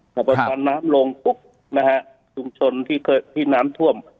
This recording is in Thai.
แต่ตอนน้ำลงปุ๊บนะฮะชุมชนที่น้ำท่วม